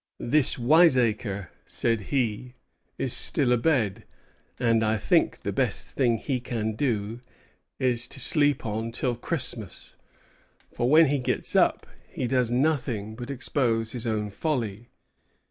'This wiseacre,' said he, 'is still abed; and I think the best thing he can do is to sleep on till Christmas; for when he gets up he does nothing but expose his own folly.